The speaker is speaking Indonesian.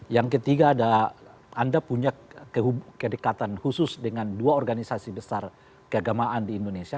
yang ketiga adalah anda punya kedekatan khusus dengan dua organisasi besar keagamaan di indonesia